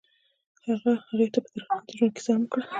هغه هغې ته په درناوي د ژوند کیسه هم وکړه.